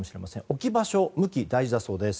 置き場所、向き大事だそうです。